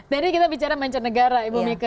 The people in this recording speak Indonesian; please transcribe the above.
dari kita bicara mancanegara ibu mika